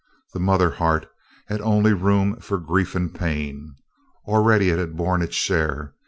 The mother heart had only room for grief and pain. Already it had borne its share.